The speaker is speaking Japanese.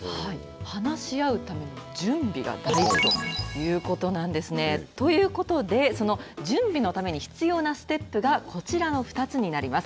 話し合うための準備が大事ということなんですね。ということで、その準備のために必要なステップがこちらの２つになります。